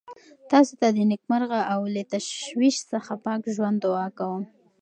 تاسو ته د نېکمرغه او له تشویش څخه پاک ژوند دعا کوم.